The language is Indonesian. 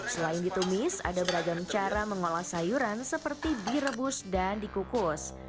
selain ditumis ada beragam cara mengolah sayuran seperti direbus dan dikukus